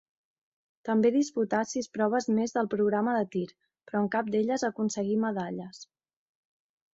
També disputà sis proves més del programa de tir, però en cap d'elles aconseguí medalles.